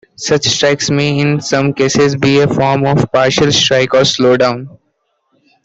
Such strikes may in some cases be a form of "partial strike" or "slowdown".